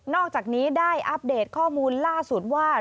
อกจากนี้ได้อัปเดตข้อมูลล่าสุดว่า